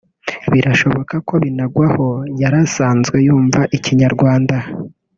Birashoboka ko Binagwaho yari asanzwe yumva Ikinyarwanda